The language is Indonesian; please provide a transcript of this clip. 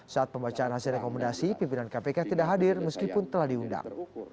saat pembacaan hasil rekomendasi pimpinan kpk tidak hadir meskipun telah diundang